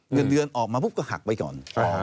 เงินเดือนออกมาปุ๊บก็หักไปก่อน